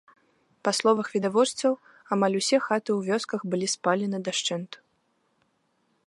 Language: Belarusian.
Па словамі відавочцаў, амаль усе хаты ў вёсках былі спалены дашчэнту.